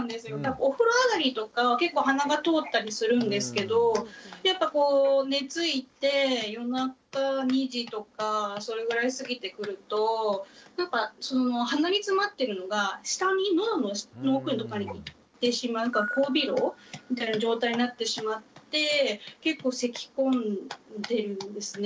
お風呂上がりとか結構鼻が通ったりするんですけどやっぱこう寝ついて夜中２時とかそれぐらいを過ぎてくると鼻につまってるのが下にのどの奥とかに行ってしまう後鼻漏みたいな状態になってしまって結構せきこんでるんですね。